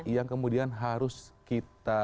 yang kemudian harus kita